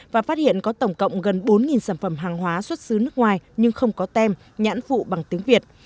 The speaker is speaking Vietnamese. và phát hiện có tổng cộng gần bốn sản phẩm hàng hóa xuất xứ nước ngoài nhưng không có tem nhãn phụ bằng tiếng việt